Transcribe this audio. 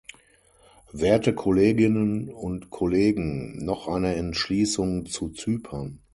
Werte Kolleginnen und Kollegen, noch eine Entschließung zu Zypern.